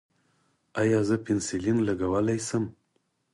ایا زه پنسلین لګولی شم؟